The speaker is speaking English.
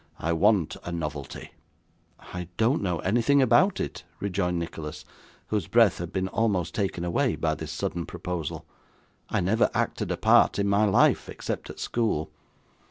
I want a novelty.' 'I don't know anything about it,' rejoined Nicholas, whose breath had been almost taken away by this sudden proposal. 'I never acted a part in my life, except at school.